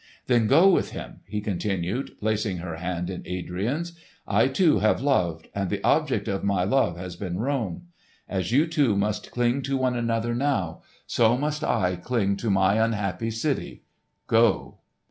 "Then go with him," he continued, placing her hand in Adrian's. "I, too, have loved, and the object of my love has been Rome. As you two must cling to one another now, so must I cling to my unhappy city. Go!"